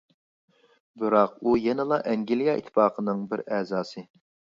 بىراق ئۇ يەنىلا ئەنگلىيە ئىتتىپاقىنىڭ بىر ئەزاسى.